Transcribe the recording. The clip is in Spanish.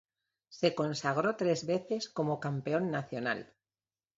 Se consagró tres veces como campeón nacional.